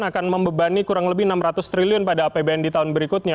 akan membebani kurang lebih enam ratus triliun pada apbn di tahun berikutnya